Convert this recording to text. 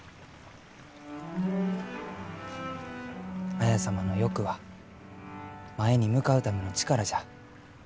綾様の欲は前に向かうための力じゃ。